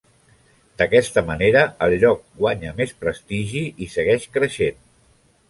D'aquesta manera, el lloc guanya més prestigi i segueix creixent.